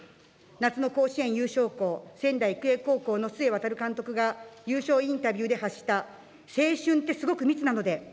夏の甲子園優勝校、仙台育英高校の須江航監督が、優勝インタビューで発した、青春って、すごく密なので。